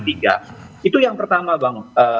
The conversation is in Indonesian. itu yang pertama bang